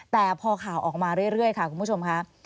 แต่พอข่าวออกมาเรื่อยค่ะคุณผู้ชมค่ะ